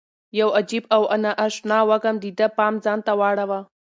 یو عجیب او نا اشنا وږم د ده پام ځان ته واړاوه.